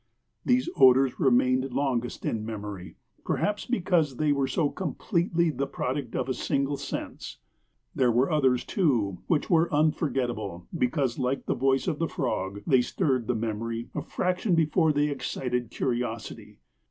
These odors remained longest in memory, perhaps because they were so completely the product of a single sense. There were others too, which were unforgettable, because, like the voice of the frog, they stirred the memory a fraction before they excited curiosity.